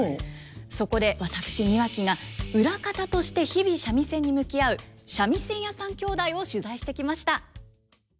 そこで私庭木が裏方として日々三味線に向き合う三味線屋さん兄弟を取材してきました。